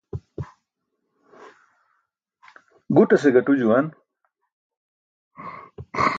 Guṭase gaṭu juwan